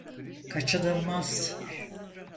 Kaçınılmaz.